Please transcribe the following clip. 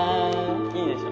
いいでしょ。